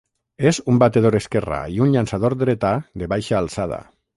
És un batedor esquerrà i un llançador dretà de baixa alçada.